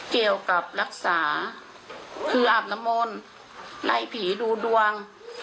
เกี่ยวกับรักษาคืออาบน้ำมนต์ไล่ผีดูดวง